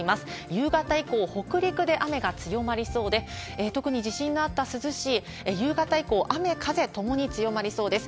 夕方以降、北陸で雨が強まりそうで、特に地震のあった珠洲市、夕方以降、雨、風ともに強まりそうです。